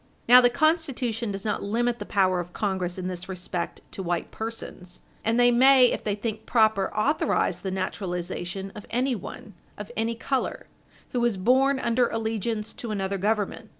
Now the Constitution does not limit the power of Congress in this respect to white persons. And they may, if they think proper, authorize the naturalization of anyone, of any color, who was born under allegiance to another Government.